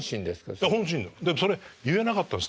本心それ言えなかったんです。